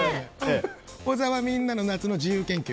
小沢、みんなの夏の自由研究。